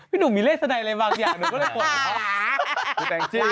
พี่หนุ่มมีเลขสนัยอะไรบางอย่าง